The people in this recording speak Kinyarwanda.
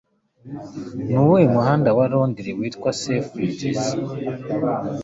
Nuwuhe muhanda wa Londres witwa Selfridges?